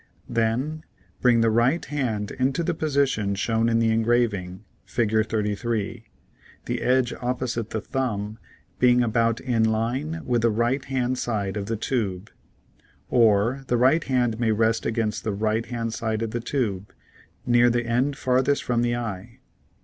Then bring the right hand into the position shown in the engraving, Fig. 33, the edge op posite the thumb being about in line with the right hand side of the tube. Or the right hand may rest against the right hand side of the tube, near the end farthest from the eye.